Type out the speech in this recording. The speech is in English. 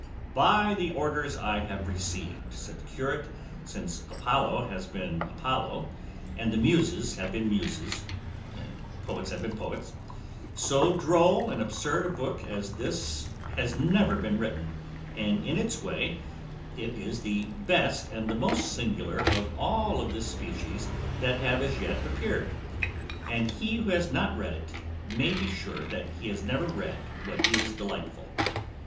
"By the orders I have received," said the curate, "since Apollo has been Apollo, and the Muses have been Muses, and poets have been poets, so droll and absurd a book as this has never been written, and in its way it is the best and the most singular of all of this species that have as yet appeared, and he who has not read it may be sure he has never read what is delightful.